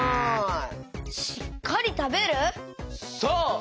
そう！